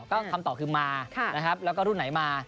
คำตอบคือมาแล้วก็รุ่นไหนมา